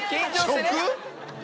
食？